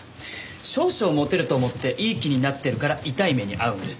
少々モテると思っていい気になってるから痛い目に遭うんです。